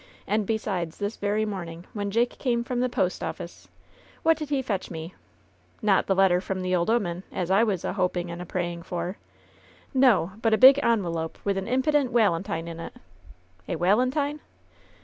And besides, this very morn ing, when Jake came from the post office, what did he fetch me ? Not the letter from the old 'oman, as I was a hoping and a praying for! No! but a big onwelope with a impident walentine in it !" "A walentine